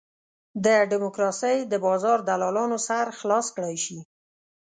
د ډیموکراسۍ د بازار دلالانو سر خلاص کړای شي.